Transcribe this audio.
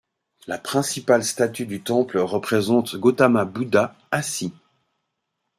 La principale statue du temple représente Gautama Buddha assis.